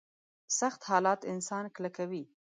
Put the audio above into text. سخت حالات انسان کلکوي.